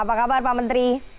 apa kabar pak menteri